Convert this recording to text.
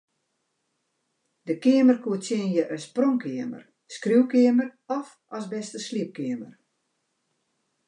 Der keamer koe tsjinje as pronkkeamer, skriuwkeamer of as bêste sliepkeamer.